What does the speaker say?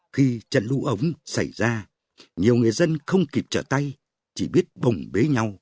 khi trận lũ ống xảy ra nhiều người dân không kịp trở tay chỉ biết bồng bế nhau